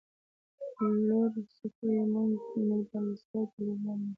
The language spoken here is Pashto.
لوړه څوکه یې مک کینلي په الاسکا کې لوړوالی لري.